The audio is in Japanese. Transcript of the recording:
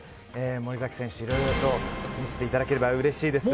森崎選手、いろいろと見せていただければうれしいです。